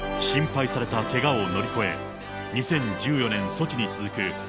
心配されたけがを乗り越え、２０１４年ソチに続く